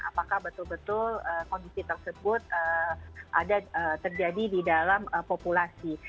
apakah betul betul kondisi tersebut ada terjadi di dalam populasi